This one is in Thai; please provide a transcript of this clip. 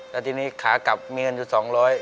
แล้วทีนี้ขากลับมีเงินอยู่๒๐๐บาท